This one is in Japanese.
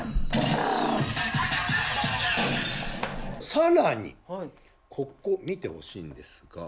更にここ見てほしいんですが。